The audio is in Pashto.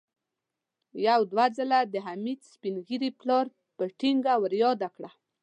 يو دوه ځله د حميد سپين ږيري پلار په ټينګه ور ياده کړه.